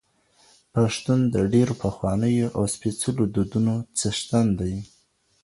پښتون د ډېرو پخوانیو او سپېڅلو دودونو څښتن دی.